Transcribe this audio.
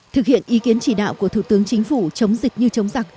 thực hiện ý kiến chỉ đạo của thủ tướng chính phủ chống dịch như chống giặc